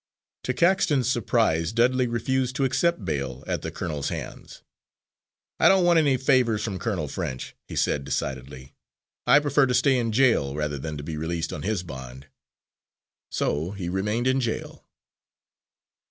To Caxton's surprise Dudley refused to accept bail at the colonel's hands. "I don't want any favours from Colonel French," he said decidedly. "I prefer to stay in jail rather than to be released on his bond." So he remained in jail.